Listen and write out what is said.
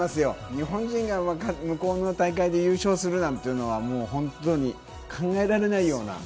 日本人が向こうの大会で優勝するなんていうのは本当に考えられないような。